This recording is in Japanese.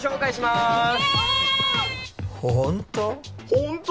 本当？